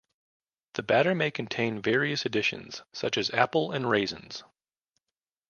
The batter may contain various additions, such as apple and raisins.